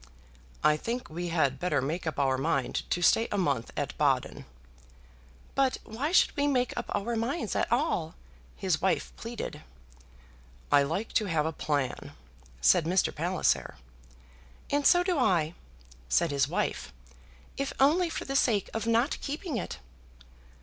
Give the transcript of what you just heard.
"I think we had better make up our mind to stay a month at Baden." "But why should we make up our minds at all?" his wife pleaded. "I like to have a plan," said Mr. Palliser. "And so do I," said his wife, "if only for the sake of not keeping it."